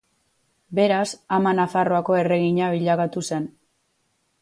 Beraz, ama Nafarroako erregina bilakatu zen.